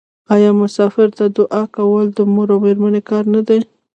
آیا مسافر ته دعا کول د مور او میرمنې کار نه دی؟